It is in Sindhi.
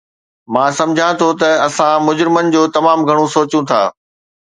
مان سمجهان ٿو ته اسان مجرمن جو تمام گهڻو سوچيو ٿا